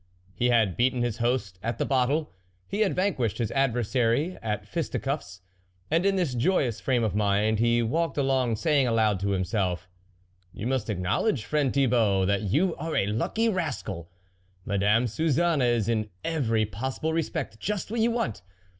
He had beaten his host at the bottle, he had vanquished his adversary at fisti cuffs, and in this joyous frame of mind, he walked along, saying aloud to himself: "You must acknowledge, friend Thi bault, that you are a lucky rascal ! Madame Suzanne is in every possible respect just what you want